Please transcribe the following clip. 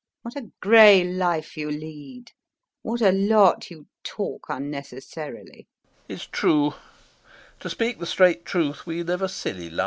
What a grey life you lead, what a lot you talk unnecessarily. LOPAKHIN. It's true. To speak the straight truth, we live a silly life.